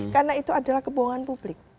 karena itu adalah kebohongan publik